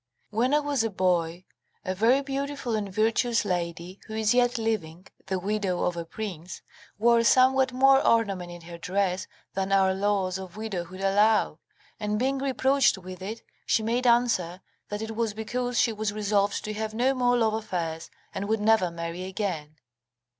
When I was a boy, a very beautiful and virtuous lady, who is yet living, the widow of a prince, wore somewhat more ornament in her dress than our laws of widowhood allow, and being reproached with it, she made answer that it was because she was resolved to have no more love affairs, and would never marry again.